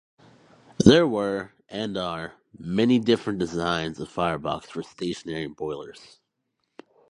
There were, and are, many different designs of firebox for stationary boilers.